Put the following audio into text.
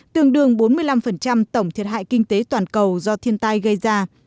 tương đương bốn mươi năm tổng thiệt hại kinh tế toàn cầu do thiên tai gây ra